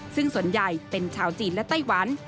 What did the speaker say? ซึ่งส่วนใหญ่เป็นชาวจีนและไต้หวัน